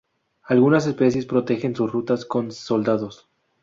Algunas especies protegen sus rutas con soldados.